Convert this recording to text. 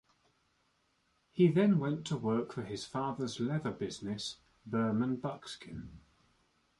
He then went to work for his father's leather business, Berman Buckskin.